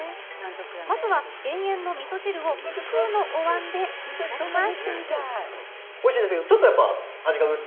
まずは減塩のみそ汁を普通のおわんでいただきます。